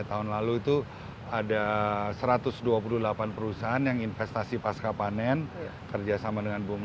tahun lalu itu ada satu ratus dua puluh delapan perusahaan yang investasi pasca panen kerjasama dengan boom